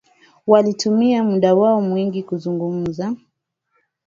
Walitumia muda wao mwingi kuzungumza